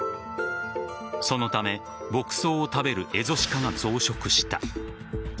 そのため牧草を食べるエゾシカが増殖した。